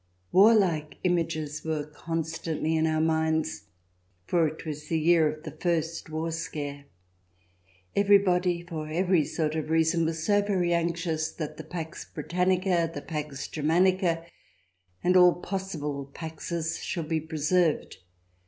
Warlike images were constantly in our minds, for it was the year of the first war scare. Everybody, for every sort of reason, was so very anxious that the Pax Britannica, the Pax Germanica, and all possible Paxes should be preserved.